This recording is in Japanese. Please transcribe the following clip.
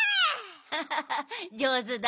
ハハハじょうずだねえ。